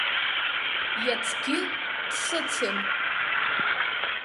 Иацгьы дсыцын.